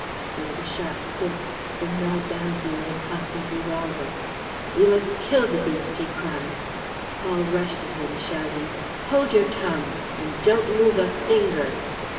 There was a sharp click. Bernard d'Andeville had cocked his revolver: "We must kill the beast!" he cried. Paul rushed at him, shouting: "Hold your tongue! And don't move a finger!"